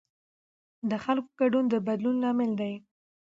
د خلکو ګډون د بدلون لامل دی